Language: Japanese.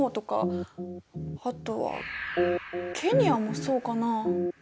あとはケニアもそうかな？